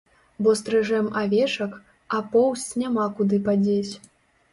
Бо стрыжэм авечак, а поўсць няма куды падзець.